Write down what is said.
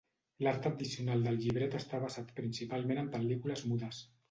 L'art addicional del llibret està basat principalment en pel·lícules mudes.